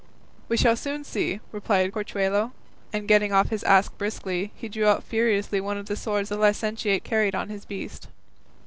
"We shall soon see," replied Corchuelo, and getting off his ass briskly, he drew out furiously one of the swords the licentiate carried on his beast.